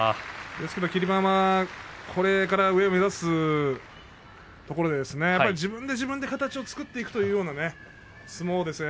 霧馬山はこれから上を目指すところでやはり自分で形を作っていくという相撲ですね。